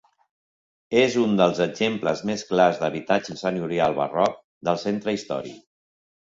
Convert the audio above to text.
És un dels exemples més clars d'habitatge senyorial barroc del centre històric.